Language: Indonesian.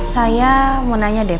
saya mau nanya deh